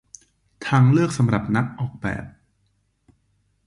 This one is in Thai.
ทางเลือกสำหรับนักออกแบบ